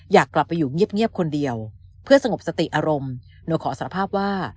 อยากกลับไปอยู่เงียบคนเดียวเพื่อสงบสติอารมณ์โนขอสารภาพว่า